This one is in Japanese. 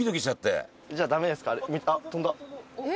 じゃダメですか。